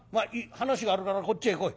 話があるからこっちへ来い」。